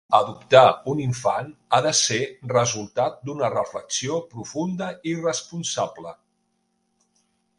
Adoptar un infant ha de ser resultat d'una reflexió profunda i responsable.